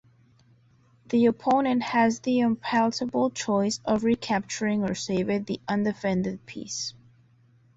The opponent has the unpalatable choice of recapturing or saving the undefended piece.